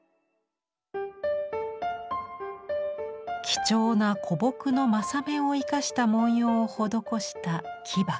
貴重な古木の柾目を生かした文様を施した木箱。